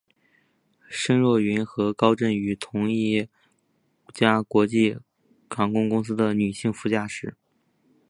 申若云是和高振宇同一家国际航空公司的女性副驾驶。